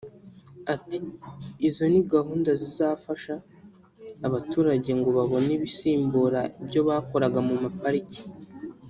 Ati “Izo ni gahunda zifasha abaturage ngo babone ibisimbura ibyo bakuraga muri pariki